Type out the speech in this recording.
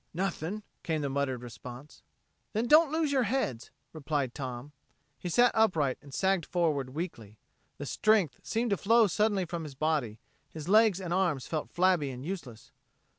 "Nothin'," came the muttered response. "Then don't lose your heads," replied Tom. He sat upright and sagged forward weakly. The strength seemed to flow suddenly from his body; his legs and arms felt flabby and useless.